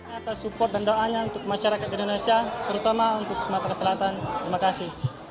atas support dan doanya untuk masyarakat indonesia terutama untuk sumatera selatan terima kasih